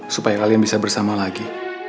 supaya kalian bisa bersama lagi